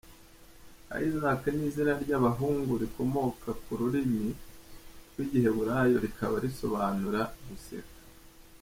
Isaac ni izina ry’abahungu rikomoka ku rurimi rw’Igiheburayi rikaba risobanura “Guseka”.